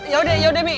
yaudah yaudah mi